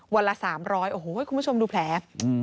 ละ๓๐๐โอ้โหคุณผู้ชมดูแผล